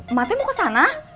emak tuh mau kesana